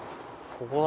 ここだ。